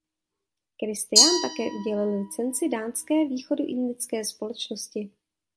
Kristián také udělil licenci Dánské Východoindické společnosti.